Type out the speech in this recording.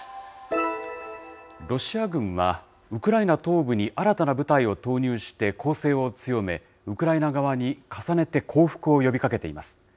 ロシア軍は、ウクライナ東部に新たな部隊を投入して、攻勢を強め、ウクライナ側に重ねて降伏を呼びかけています。